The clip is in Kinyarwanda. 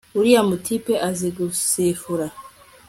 uriya mutipe azi gusifura